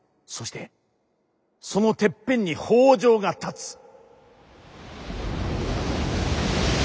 そしてそのてっぺんに北条が立つ。